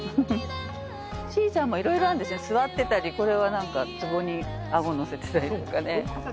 シーサーもいろいろあるんですね座ってたりこれはなんか壺にあごのせてたりとかね。